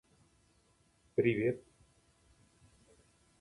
The Coen Brothers' film O Brother, Where Art Thou?